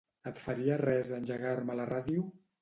Et faria res engegar-me la ràdio?